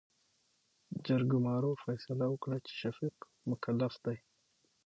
جرګمارو فيصله وکړه چې، شفيق مکلف دى.